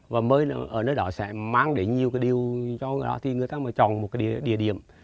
và mới ở nơi đó sẽ mang đến nhiều cái điều cho người ta thì người ta mà chọn một cái địa điểm